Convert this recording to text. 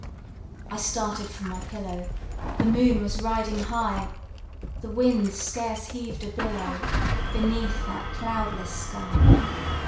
"I started from my pillow The moon was riding high, The wind scarce heav'd a billow Beneath that cloudless sky.